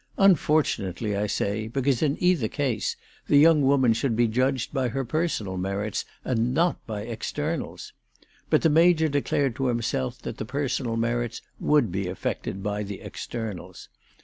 Unfortunately, I say, be cause in either case the young woman should be judged by her personal merits and not by externals. But the Major declared to himself that the personal merits would be affected by the externals.